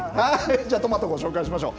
じゃあ、トマトご紹介しましょう。